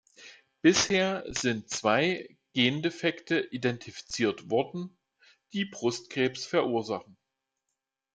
Bisher sind zwei Gendefekte identifiziert worden, die Brustkrebs verursachen.